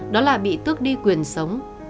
đó là bị tước đi quyền sống